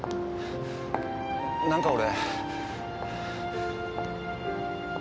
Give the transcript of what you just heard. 何か俺。